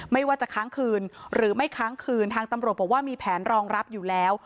ไม่ว่าจะค้างคืนหรือไม่ค้างคืนทางตำรวจบอกว่ามีแผนรองรับอยู่แล้ว